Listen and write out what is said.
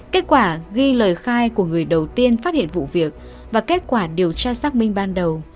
khi lời khai của người đầu tiên phát hiện vụ việc và kết quả điều tra xác minh ban đầu